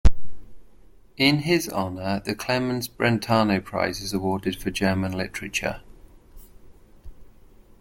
In his honor the Clemens-Brentano prize is awarded for German literature.